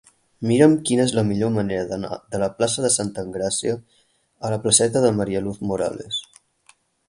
Mira'm quina és la millor manera d'anar de la plaça de Santa Engràcia a la placeta de María Luz Morales.